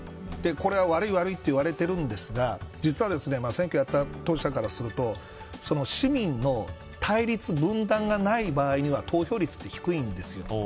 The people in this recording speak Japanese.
これは悪い悪いと言われているんですが選挙やった当事者からすると市民の対立、分断がない場合は投票率は低いんです。